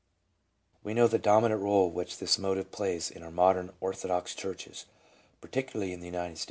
We know the dominant role which this motive plays in our modern orthodox churches, particularly in the United States.